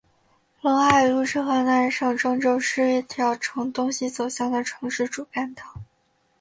陇海路是河南省郑州市一条呈东西走向的城市主干道。